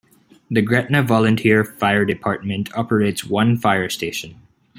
The Gretna Volunteer Fire Department operates one fire station.